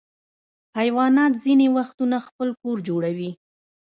حیوانات ځینې وختونه خپل کور جوړوي.